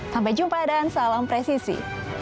sampai jumpa dan salam presisi